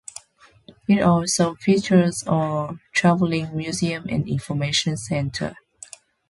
It also features a Traveling Museum and Information Center.